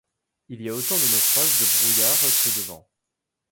Il y a autant de naufrages de brouillard que de vent.